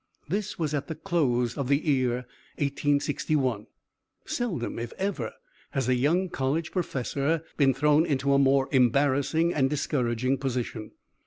This was at the close of the year 1861. Seldom, if ever, has a young college professor been thrown into a more embarrassing and discouraging position.